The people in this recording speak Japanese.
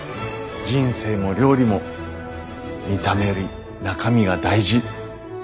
人生も料理も見た目より中身が大事。